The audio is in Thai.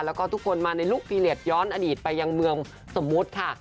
แล้วก็ทุกคนมาในลูกพีเรียสย้อนอดีตไปยังเมืองสมมุติค่ะ